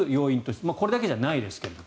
これだけじゃないですけれど。